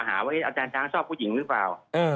หาว่าอาจารย์ช้างชอบผู้หญิงหรือเปล่า